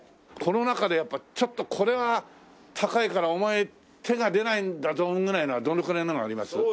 この中でやっぱちょっとこれは高いからお前手が出ないんだぞぐらいなのはどのくらいのがあります？